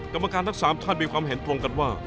กรรมการทั้ง๓ท่านมีความเห็นตรงกันว่า